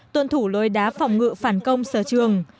tuân thủ lôi đá phòng ngự phản công sở trường